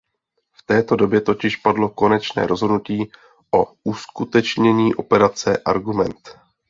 V této době totiž padlo konečné rozhodnutí o uskutečnění operace Argument.